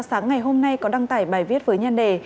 sáng ngày hôm nay có đăng tải bài viết với nhan đề